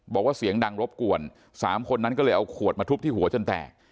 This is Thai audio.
บอกว่าเสียงดังรบกวน๓คนนั้นก็เลยเอาขวดมาทุบที่หัวจนแตก